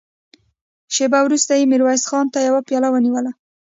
شېبه وروسته يې ميرويس خان ته يوه پياله ونيوله.